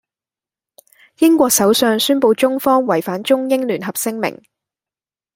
英國首相宣佈中方違反中英聯合聲明。